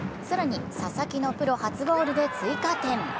更に佐々木のプロ初ゴールで追加点。